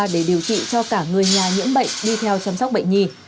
để điều trị cho cả người nhà nhiễm bệnh đi theo chăm sóc bệnh nhi